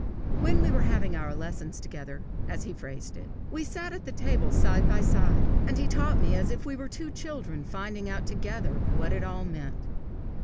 When we were having our lessons together, as he phrased it, we sat at the table side by side, and he taught me as if we were two children finding out together what it all meant.